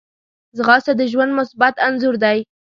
ځغاسته د ژوند مثبت انځور دی